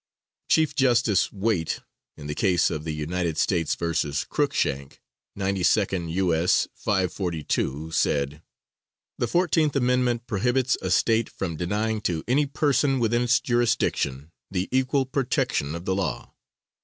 Chief Justice Waite, in the case of the United States vs. Cruikshank, 92nd U.S. 542, said: "The 14th amendment prohibits a State from denying to any person within its jurisdiction the equal protection of the law.